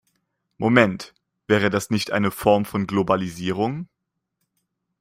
Moment, wäre das nicht eine Form von Globalisierung?